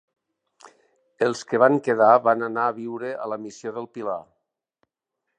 Els que van quedar van anar a viure a la missió del Pilar.